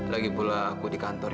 lagipula aku di kantor